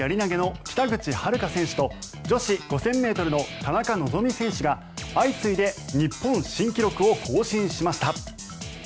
陸上女子やり投の北口榛花選手と女子５０００ｍの田中希実選手が相次いで日本新記録を更新しました。